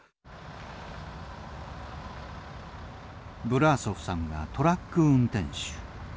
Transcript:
ブラーソフさんはトラック運転手。